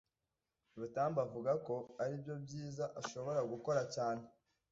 Rutambi avuga ko aribyo byiza ashobora gukora cyane